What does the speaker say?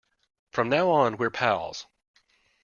From now on we're pals.